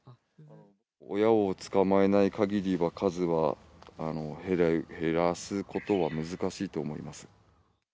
親を捕まえないかぎりは数は、減らすことは難しいと思います。